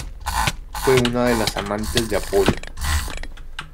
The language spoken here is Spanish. Fue una de las amantes de Apolo.